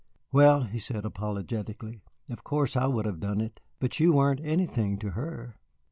"Well," he said apologetically, "of course I would have done it, but you weren't anything to her.